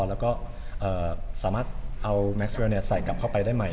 แล้วก็สามารถเอาแม็กซ์เรลใส่กลับเข้าไปได้ใหม่